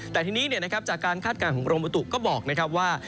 แต่ทีนี้จากการคาดการณ์ของกรมบุตุก็บอกนะครับว่า